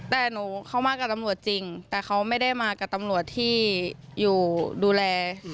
แต่หนูเขามากับตำรวจจริงแต่เขาไม่ได้มากับตำรวจที่อยู่ดูแล